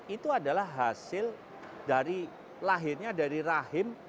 itu adalah hasil dari lahirnya dari rahim